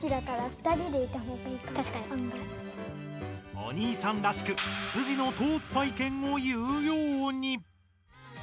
おにいさんらしく筋の通った意見を言うように。